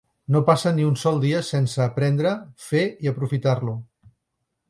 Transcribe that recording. No passa ni un sol dia sense aprendre, fer i aprofitar-lo.